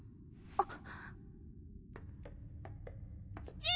あっ。